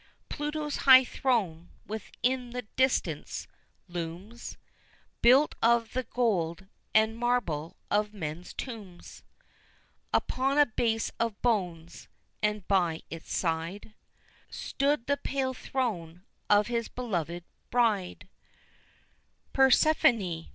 Pluto's high throne within the distance looms, Built of the gold and marble of men's tombs Upon a base of bones, and by its side Stood the pale throne of his beloved bride, Persephone.